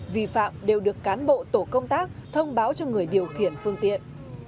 vi phạm đều được cán bộ tổ công tác thông báo cho người điều khiển phương tiện